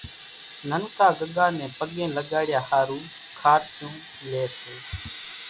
ننڪا ڳڳا نين پڳين لڳڙيا ۿارُو خارچون لئي سي،